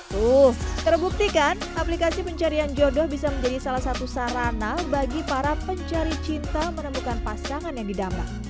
tuh terbuktikan aplikasi pencari yang jodoh bisa menjadi salah satu sarana bagi para pencari cinta menemukan pasangan yang didampak